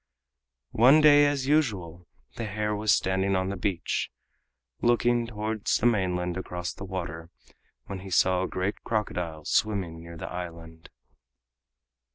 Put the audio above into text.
One day as usual, the hare was standing on the beach, looking towards the mainland across the water, when he saw a great crocodile swimming near the island.